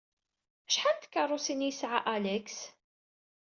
Acḥal n tkeṛṛusin i yesɛa Alex?